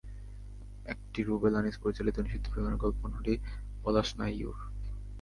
একটি রুবেল আনিস পরিচালিত নিষিদ্ধ প্রেমের গল্প, অন্যটি রাশিদ পলাশের নাইওর।